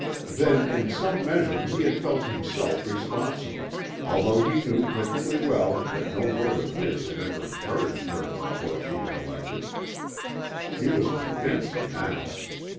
Then in some measure he had felt himself responsible, although he knew perfectly well that no word of his had ever encouraged her on the course she had elected. He was convinced now.